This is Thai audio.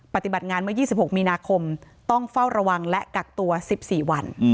ปฏิบัติงานเมื่อ๒๖มีนาคมต้องเฝ้าระวังและกักตัว๑๔วัน